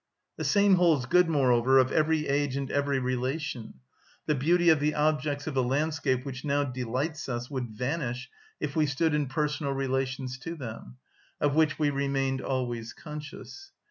The same holds good, moreover, of every age and every relation; the beauty of the objects of a landscape which now delights us would vanish if we stood in personal relations to them, of which we remained always conscious.